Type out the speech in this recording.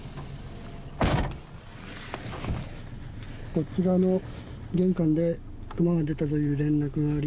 こちらの玄関でクマが出たという連絡があり